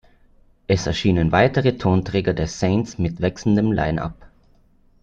Es erschienen weitere Tonträger der Saints mit wechselndem Line-Up.